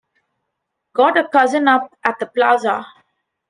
Got a cousin up at the Plaza.